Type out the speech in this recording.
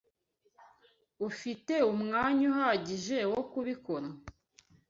Ufite umwanya uhagije wo kubikora?